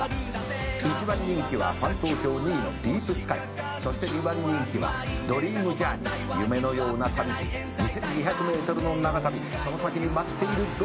「１番人気はファン投票２位のディープスカイ」「そして２番人気はドリームジャーニー夢のような旅路」「２，２００ｍの長旅その先に待っているドラマは何だ」